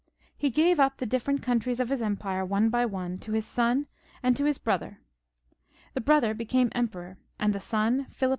He gave up the different countries of his empire one by one to his son and XXXVI.] HENRY II. 269 to his brother. The brother became Emperor, and the son Philip II.